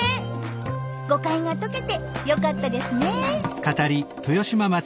誤解が解けてよかったですね。